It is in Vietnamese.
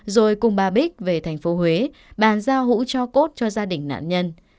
rồi cùng bà bích về thành phố huế bàn giao hũ cho cốt cho gia đình nạn nhân